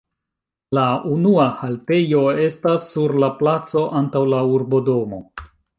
La unua haltejo estas sur la placo antaŭ la urbodomo.